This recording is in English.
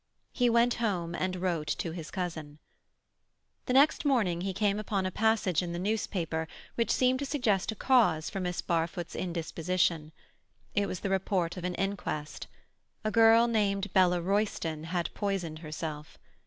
He went home, and wrote to his cousin. The next morning he came upon a passage in the newspaper which seemed to suggest a cause for Miss Barfoot's indisposition. It was the report of an inquest. A girl named Bella Royston had poisoned herself.